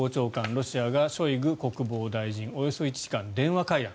ロシアがショイグ国防大臣およそ１時間電話会談。